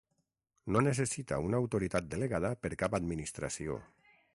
No necessita una autoritat delegada per cap Administració.